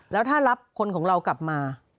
แล้วถ้ารับคนของเรากลับมา